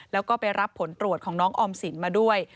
แล้วก็ไปรับผลตรวจของน้องออมสินมาด้วย